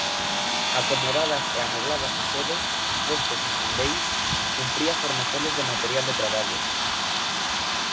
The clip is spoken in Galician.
Acomodadas e amobladas as sedes, postos os andeis, cumpría fornecelos de material de traballo.